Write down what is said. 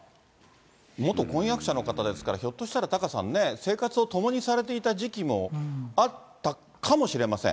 元婚約者の方ですから、ひょっとしたらタカさんね、生活を共にされていた時期もあったかもしれません。